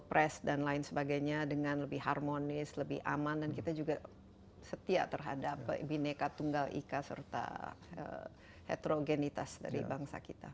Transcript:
pres dan lain sebagainya dengan lebih harmonis lebih aman dan kita juga setia terhadap bineka tunggal ika serta heterogenitas dari bangsa kita